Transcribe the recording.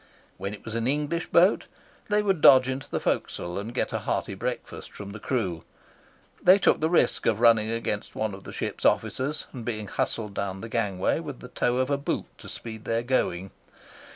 When it was an English boat, they would dodge into the forecastle and get a hearty breakfast from the crew. They took the risk of running against one of the ship's officers and being hustled down the gangway with the toe of a boot to speed their going.